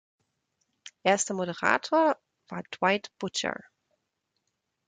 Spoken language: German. Erster Moderator war Dwight Butcher.